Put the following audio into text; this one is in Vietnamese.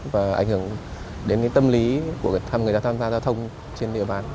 và ảnh hưởng đến tâm lý của người tham gia giao thông trên địa bàn